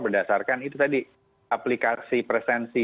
berdasarkan itu tadi aplikasi presensi